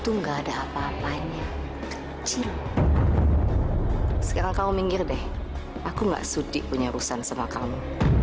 enggak ada apa apanya kecil sekarang kau minggir deh aku enggak sudik punya urusan sama kamu